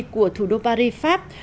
của thủ đô paris pháp